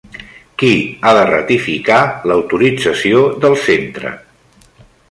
Qui ha de ratificar l'autorització del centre?